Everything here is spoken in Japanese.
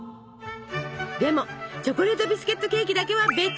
でもチョコレートビスケットケーキだけは別！